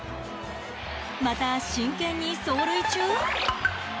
また、真剣に走塁中。